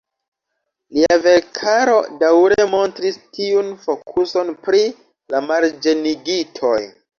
Lia verkaro daŭre montris tiun fokuson pri la marĝenigitoj.